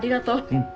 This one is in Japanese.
うん。